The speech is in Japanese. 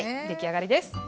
出来上がりです。